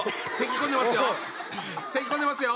せきこんでますよ！